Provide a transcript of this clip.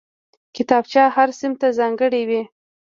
کتابچه هر صنف ته ځانګړې وي